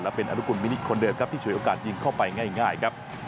และเป็นอนุกุลมินิคนเดิมครับที่ฉวยโอกาสยิงเข้าไปง่ายครับ